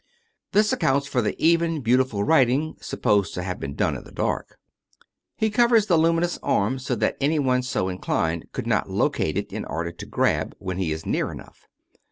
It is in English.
This accounts for the even, beautiful writing, supposed to have been done in the dark. He covers the luminous arm so that anyone so inclined could not locate it in order to *' grab " when he is near enough.